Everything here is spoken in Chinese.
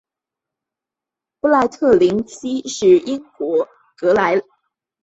布赖特灵西是英国英格兰埃塞克斯郡的一个海滨城镇。